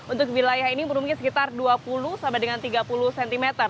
untuk wilayah ini bermungkin sekitar dua puluh sampai dengan tiga puluh cm